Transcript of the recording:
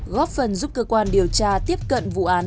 góp phần giúp cơ quan điều tra tiếp cận vụ án